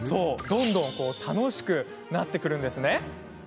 どんどん楽しくなっちゃったんです。